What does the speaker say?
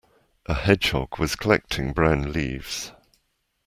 A hedgehog was collecting brown leaves.